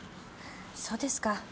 そうですか。